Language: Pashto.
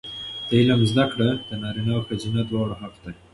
د علم زده کړه د نارینه او ښځینه دواړو حق دی.